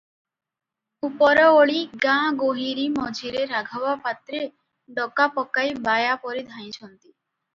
ଉପର ଓଳି ଗାଁ ଗୋହିରୀ ମଝିରେ ରାଘବ ପାତ୍ରେ ଡକା ପକାଇ ବାୟା ପରି ଧାଇଁଛନ୍ତି ।